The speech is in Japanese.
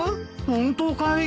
本当かい？